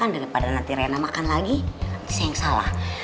nanti saya yang salah